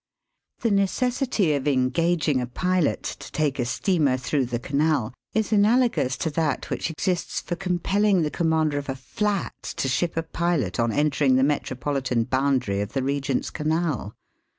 The necessity of engaging a pilot to take a steamer through the Canal is anala ^ous to that which exists for compeUing the commander of a flat to ship a pilot on entering the Metropolitan boundary of the Eegent's •Canal.